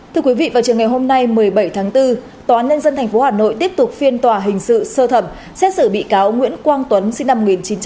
thưa quý vị vào trường ngày hôm nay một mươi bảy tháng bốn tòa án nhân dân tp hà nội tiếp tục phiên tòa hình sự sơ thẩm xét xử bị cáo nguyễn quang tuấn sinh năm một nghìn chín trăm tám mươi